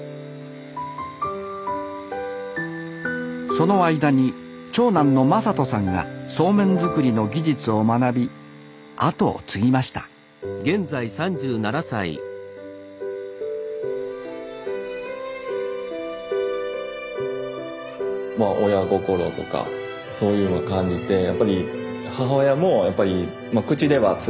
その間に長男の政人さんがそうめん作りの技術を学び後を継ぎましたまあ親心とかそういうのを感じてやっぱり母親もやっぱり口では「継がなくてもいい」。